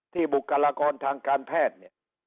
ที่บุคลากรทางการแพทย์